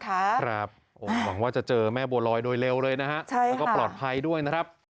หวังว่าจะเจอแม่บัวลอยโดยเร็วเลยนะฮะแล้วก็ปลอดภัยด้วยนะครับ